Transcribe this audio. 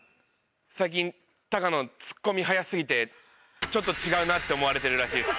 最近高野ツッコミ早すぎてちょっと違うなって思われてるらしいです。